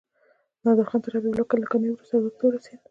نادر خان تر حبيب الله کلکاني وروسته واک ته ورسيد.